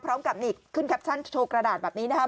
พร้อมกับนี่ขึ้นแคปชั่นโชว์กระดาษแบบนี้นะครับ